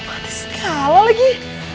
manis sekali lagi